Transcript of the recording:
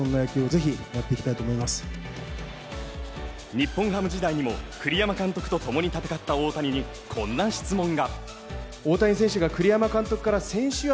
日本ハム時代にも栗山監督と共に戦った大谷にこんな質問が。